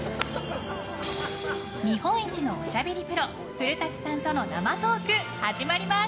日本一のおしゃべりプロ古舘さんとの生トーク始まります！